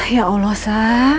ya allah sa